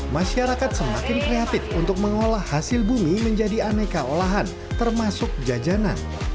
masyarakat semakin kreatif untuk mengolah hasil bumi menjadi aneka olahan termasuk jajanan